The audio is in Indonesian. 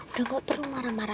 udah gak perlu marah marah